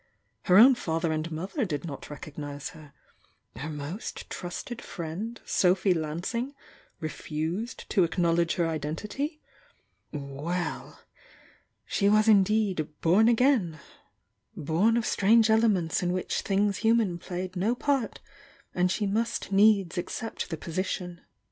Her own father and mother did not recognise her, — ^her most trusted friend, Sophy Lansing, refused to acknowledge her identity — well! — she was indeed "born again" — ^born of strange elements in which things human played no part, and she must needs accept the position.